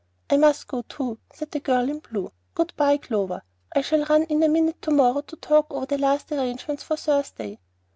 "I must go too," said the girl in blue. "Good by, Clover. I shall run in a minute to morrow to talk over the last arrangements for Thursday."